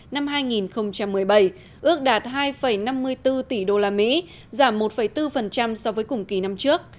năm hai nghìn một mươi bảy ước đạt hai năm mươi bốn tỷ usd giảm một bốn so với cùng kỳ năm trước